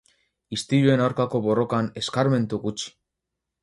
Istiluen aurkako borrokan eskarmentu gutxi.